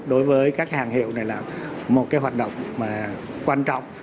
đối với các hàng hiệu này là một cái hoạt động quan trọng